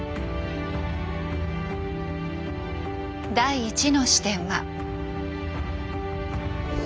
第１の視点は。